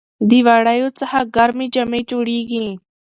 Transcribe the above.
د وړیو څخه ګرمې جامې جوړیږي.